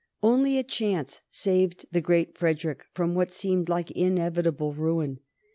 Only a chance saved the Great Frederick from what seemed like inevitable ruin.